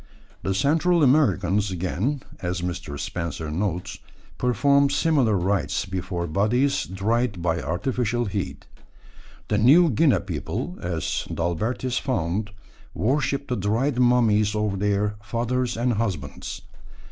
The Central Americans, again, as Mr. Spencer notes, performed similar rites before bodies dried by artificial heat. The New Guinea people, as D'Albertis found, worship the dried mummies of their fathers and husbands.